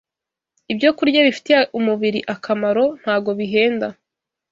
Ibyokurya bifitiye umubiri akamaro ntago bihenda